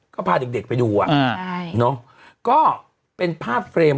ก็พาเด็กไปดูอ่ะอ่าใช่เนอะก็เป็นภาพเฟรม